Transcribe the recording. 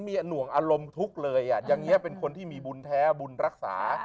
มีหน่วงอารมณ์ทุกข์เลยอ่ะอย่างนี้เป็นคนที่มีบุญแท้บุญรักษา